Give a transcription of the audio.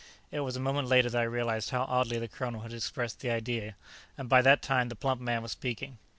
It was a moment later that I realized how oddly the colonel had expressed the idea, and by that time the plump man was speaking.